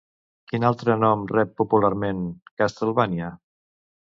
Quin altre nom rep, popularment, Castlevania?